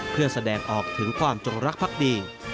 เพื่อแสดงออกถึงความจงรักภักดี